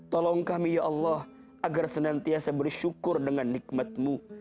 tolong kami ya allah agar senantiasa bersyukur dengan nikmatmu